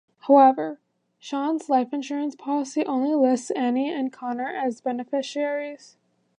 However, Sean's life insurance policy only lists Annie and Connor as beneficiaries.